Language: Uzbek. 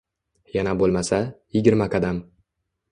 Yana boʻlmasa, yigirma qadam